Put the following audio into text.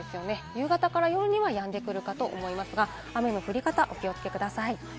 夕方から夜にはやんでくるかと思いますが、雨の降り方にお気をつけください。